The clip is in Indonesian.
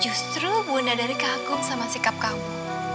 justru bunda dari kagum sama sikap kamu